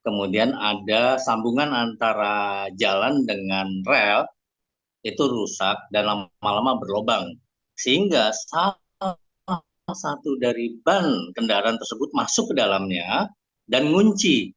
kemudian ada sambungan antara jalan dengan rel itu rusak dan lama lama berlobang sehingga salah satu dari ban kendaraan tersebut masuk ke dalamnya dan ngunci